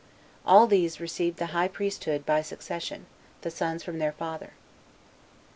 All these received the high priesthood by succession, the sons from their father. 7.